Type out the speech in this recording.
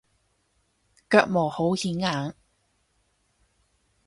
腳毛好顯眼